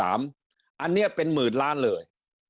อันนี้เป็นหมื่นล้านเลย